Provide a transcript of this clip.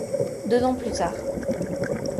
Deux ans plus tard.